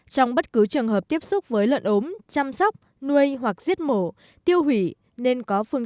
trong bất cứ trường hợp tiếp xúc với lợn ốm chăm sóc nuôi hoặc giết mổ tiêu hủy nên có phương